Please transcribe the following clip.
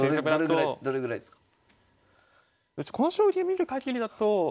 どれぐらいですか？